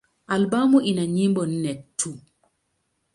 Albamu ina nyimbo nne tu.